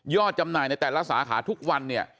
ยอดจำหน่ายในแต่ละสาขาทุกวัน